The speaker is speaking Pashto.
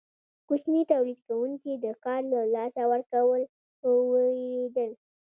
کوچني تولید کوونکي د کار له لاسه ورکولو ویریدل.